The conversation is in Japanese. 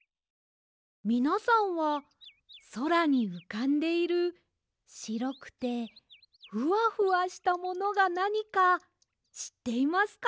みなさんはそらにうかんでいるしろくてフワフワしたものがなにかしっていますか？